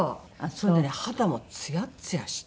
それでね肌もツヤツヤして。